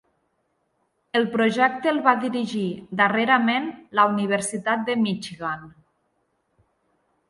El projecte el va dirigir darrerament la Universitat de Michigan.